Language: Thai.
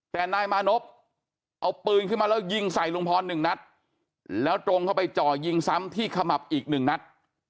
แต่นายมานพเอาปืนขึ้นมาแล้วยิงใส่ลุงพรหนึ่งนัดแล้วตรงเข้าไปจ่อยิงซ้ำที่ขมับอีกหนึ่งนัด